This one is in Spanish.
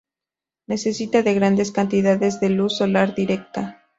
Necesita de grandes cantidades de luz solar directa.